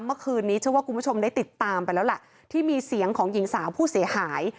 เมื่อคืนนี้เชื่อว่าคุณผู้ชมได้ติดตามไปแล้วล่ะที่มีเสียงของหญิงสาวผู้เสียหาย